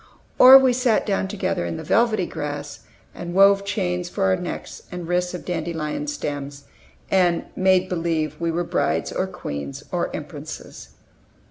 Or we sat down together in the velvety grass, and wove chains for our necks and wrists of the dandelion sterns, and "made believe" we were brides, or queens, or empresses.